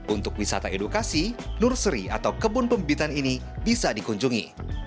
untuk wisata edukasi nurseri atau kebun pembitan ini bisa dikunjungi